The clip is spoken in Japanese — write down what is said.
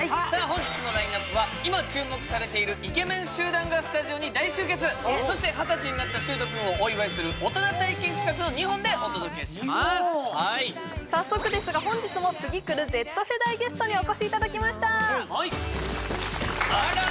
本日のラインナップは今注目されているイケメン集団がスタジオに大集結そして二十歳になったしゅーとくんをお祝いする大人体験企画の２本でお届けします早速ですが本日も次くるＺ世代ゲストにお越しいただきましたあら！